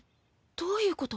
どういうこと？